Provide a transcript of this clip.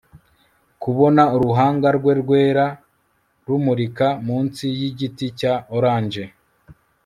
kubona uruhanga rwe rwera rumurika munsi yigiti cya orange